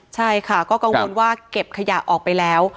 ใช่ค่ะก็กังวลว่าเก็บขยะออกไปแล้ว